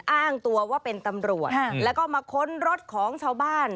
อ้างตัวว่าเป็นตำรวจแล้วก็มาค้นรถของชาวบ้าน